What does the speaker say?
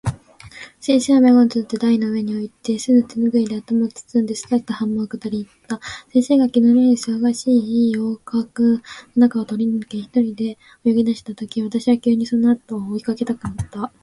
先生は眼鏡をとって台の上に置いて、すぐ手拭（てぬぐい）で頭を包んで、すたすた浜を下りて行った。先生が昨日（きのう）のように騒がしい浴客（よくかく）の中を通り抜けて、一人で泳ぎ出した時、私は急にその後（あと）が追い掛けたくなった。